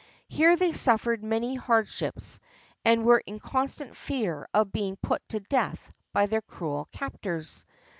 Here they suffered many hardships, and were in constant fear of being put to death by their cruel captors.